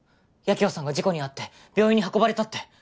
八京さんが事故に遭って病院に運ばれたって。